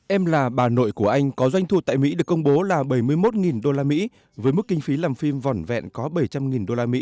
em là bà nội của anh có doanh thu tại mỹ được công bố là bảy mươi một usd với mức kinh phí làm phim vỏn vẹn có bảy trăm linh usd